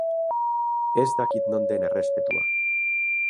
Ez dakit non den errespetua!